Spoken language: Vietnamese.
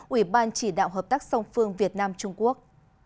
ủy ban chỉ đạo hợp tác song phương việt nam trung quốc